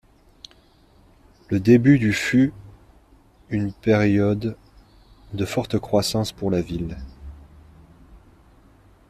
Le début du fut une période de forte croissance pour la ville.